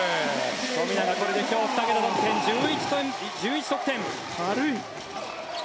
富永、これで今日２桁得点１１得点。